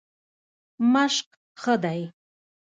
مشق ښه دی.